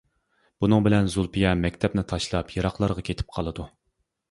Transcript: بۇنىڭ بىلەن زۇلپىيە مەكتەپنى تاشلاپ يىراقلارغا كېتىپ قالىدۇ.